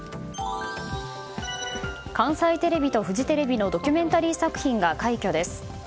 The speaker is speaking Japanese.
関西テレビとフジテレビのドキュメンタリー作品が快挙です。